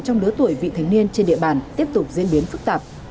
trong đứa tuổi vị thánh niên trên địa bàn tiếp tục diễn biến phức tạp